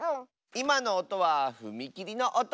いまのおとはふみきりのおと！